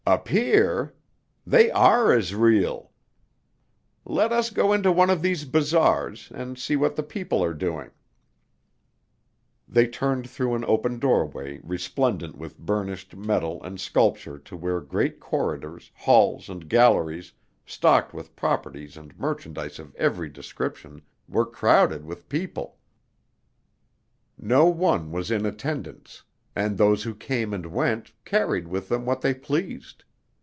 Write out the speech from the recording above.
"Appear! They are as real. Let us go into one of these bazars, and see what the people are doing." They turned through an open doorway resplendent with burnished metal and sculpture to where great corridors, halls, and galleries, stocked with properties and merchandise of every description, were crowded with people. No one was in attendance; and those who came and went, carried with them what they pleased.